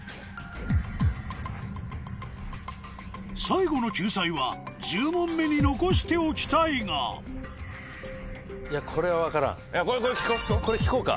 最後の救済は１０問目に残しておきたいがこれ聞こうか。